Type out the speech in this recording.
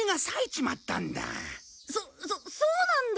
そそそうなんだ。